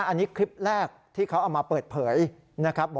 อันนี้คลิปแรกที่เขาเอามาเปิดเผยนะครับ